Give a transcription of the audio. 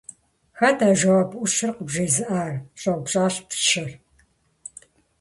- Хэт а жэуап Ӏущыр къыбжезыӀар? - щӀэупщӀащ пщыр.